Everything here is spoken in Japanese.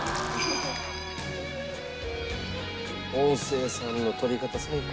音声さんのとり方最高。